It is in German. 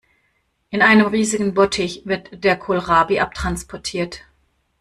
In einem riesigen Bottich wird der Kohlrabi abtransportiert.